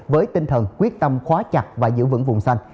với tinh thần quyết tâm khóa chặt và giữ vững vùng xanh